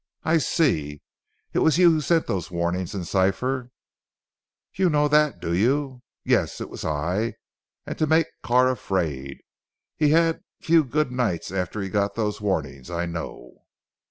"I see. It was you who sent those warnings in cipher." "You know that do you. Yes, it was I, and to make Carr afraid. He had few good nights after he got those warnings I know."